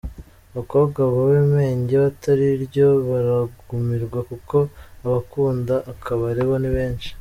Abakobwa babe menge bitariryo baragumirwa kuko abakunda akabare bo nibenshi.